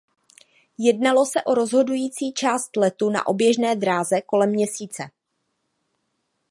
Jednalo se o rozhodující část letu na oběžné dráze kolem Měsíce.